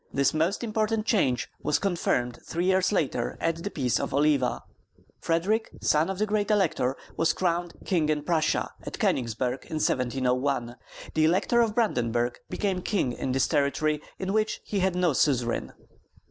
This most important change was confirmed three years later at the peace of Oliva. Frederick, son of the Great Elector, was crowned "King in Prussia" at Königsberg in 1701. The Elector of Brandenburg became king in that territory in which he had no suzerain.